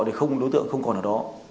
đối tượng không còn ở đó